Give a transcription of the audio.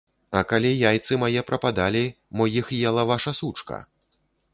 А калі яйцы мае прападалі, мо іх ела ваша сучка.